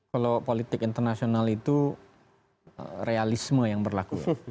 kalau politik internasional itu realisme yang berlaku